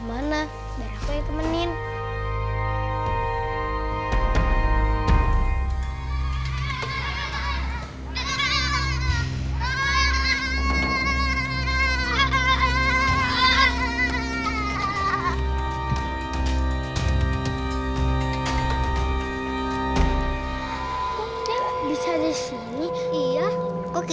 jangan terlalu terlalu terlalu